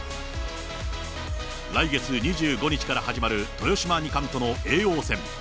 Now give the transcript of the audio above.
来月２５日から始まる豊島二冠との叡王戦。